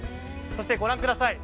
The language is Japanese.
そしてご覧ください。